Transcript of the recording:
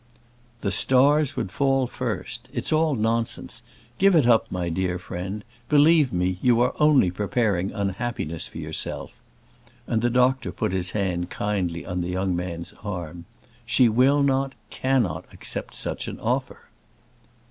"The stars would fall first. It's all nonsense. Give it up, my dear friend; believe me you are only preparing unhappiness for yourself;" and the doctor put his hand kindly on the young man's arm. "She will not, cannot accept such an offer."